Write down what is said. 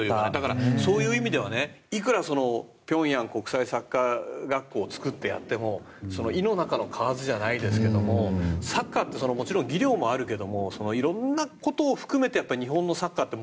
そういう意味ではいくら平壌国際サッカー学校を作ってやっても井の中のかわずじゃないですけどサッカーってもちろん技量もあるけど色んなことを含めて日本のサッカーって